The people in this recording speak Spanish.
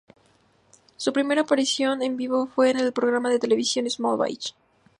Su primera aparición en vivo fue en el programa de televisión "Smallville".